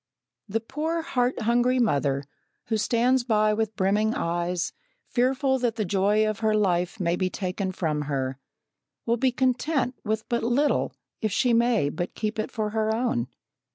The poor heart hungry mother, who stands by with brimming eyes, fearful that the joy of her life may be taken from her, will be content with but little if she may but keep it for her own.